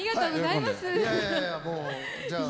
いやいやいやいやもうじゃあ。